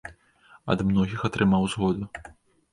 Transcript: Ад многіх атрымаў згоду.